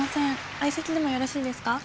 相席でもよろしいですか？